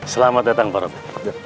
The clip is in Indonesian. selamat datang pak robert